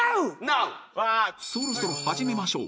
［そろそろ始めましょう］